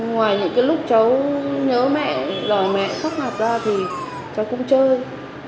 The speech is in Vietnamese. ngoài những lúc cháu nhớ mẹ đòi mẹ khóc ngạp ra thì cháu cũng chơi